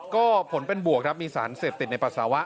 ก็ผลเป็นบวกครับมีสารเสพติดในปัสสาวะ